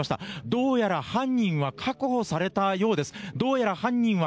どうやら犯人は確保されたようです。